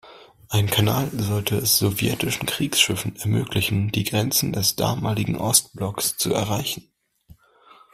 Ein Kanal sollte es sowjetischen Kriegsschiffen ermöglichen, die Grenzen des damaligen Ostblocks zu erreichen.